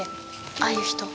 ああいう人。